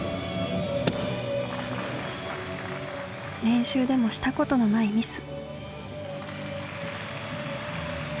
練習でもしたことのないミス。